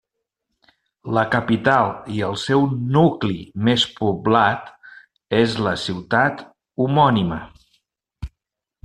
La capital i el seu nucli més poblat és la ciutat homònima.